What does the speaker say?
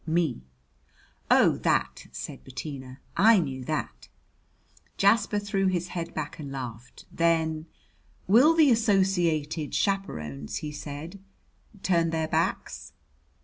"Me." "Oh, that!" said Bettina. "I knew that." Jasper threw his head back and laughed. Then: "Will the Associated Chaperons," he said, "turn their backs?"